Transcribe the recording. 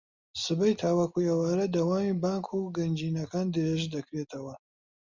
سبەی تاوەکو ئێوارە دەوامی بانک و گەنجینەکان درێژدەکرێتەوە